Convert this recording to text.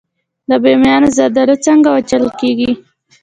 د بامیان زردالو څنګه وچول کیږي؟